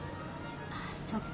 ああそっか。